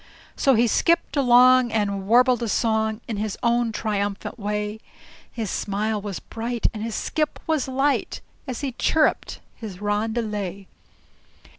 So he skipped along and warbled a song In his own triumphulant way. His smile was bright and his skip was light As he chirruped his roundelay.